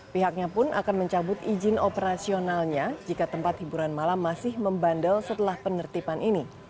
pihaknya pun akan mencabut izin operasionalnya jika tempat hiburan malam masih membandel setelah penertiban ini